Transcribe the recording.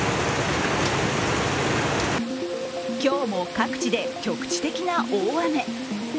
今日も各地で局地的な大雨。